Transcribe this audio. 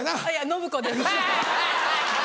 暢子です。